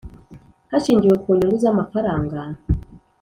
hashingiwe ku nyungu z amafaranga